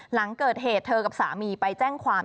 หลังเกิดเหตุเธอกับสามีไปแจ้งความ